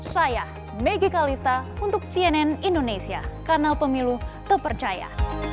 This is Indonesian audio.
saya megi kalista untuk cnn indonesia kanal pemilu terpercaya